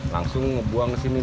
langsung ngebuang ke sini